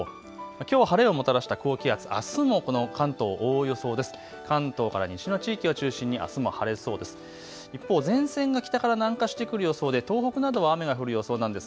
きょう晴れをもたらした高気圧はあすもこの関東、覆う予想です。